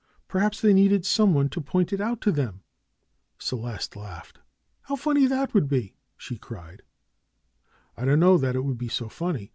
"Perhaps they needed someone to point it out to them." Celeste laughed. DR. SCHOLAR CRUTCH 145 "How funny that would be!^^ she cried. "I don't know that it would be so funny.